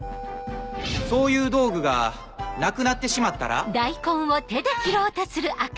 そういう道具がなくなってしまったら。